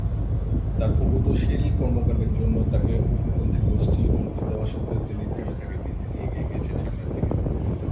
তার প্রগতিশীল কর্মকাণ্ডের জন্য তাকে উগ্রপন্থী গোষ্ঠী হুমকি দেওয়া সত্ত্বেও তিনি থেমে থাকেন নি, তিনি এগিয়ে গিয়েছেন সামনের দিকে।